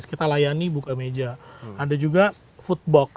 kita makan di sana dan gratis kita layani buka meja ada juga food box